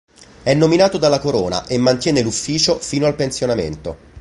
È nominato dalla Corona e mantiene l'ufficio fino al pensionamento.